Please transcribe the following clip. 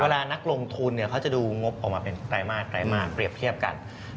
เวลานักลงทุนเขาจะดูงบออกมาเป็นไตม่าเปรียบเทียบกัน